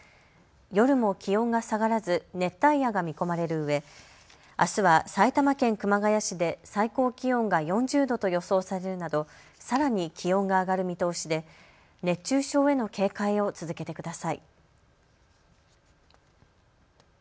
夜も気温が下がらず熱帯夜が見込まれるうえあすは埼玉県熊谷市で最高気温が４０度と予想されるなどさらに気温が上がる見通しで熱中症への警戒を続けてください。